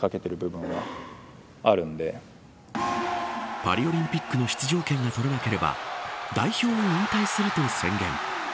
パリオリンピックの出場権が取れなければ代表を引退すると宣言。